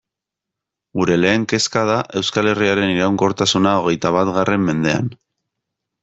Gure lehen kezka da Euskal Herriaren iraunkortasuna hogeita batgarren mendean.